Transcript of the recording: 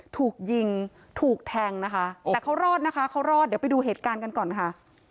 ถูกยิงถูกแทงนะคะแต่เขารอดนะคะเขารอดเดี๋ยวไปดูเหตุการณ์กันก่อนค่ะ